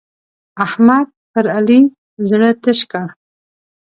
احمد پر علي زړه تش کړ.